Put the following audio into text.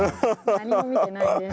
何も見てないです。